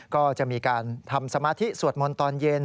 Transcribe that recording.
ก็จะมีการทำสมาธิสวดมนต์ตอนเย็น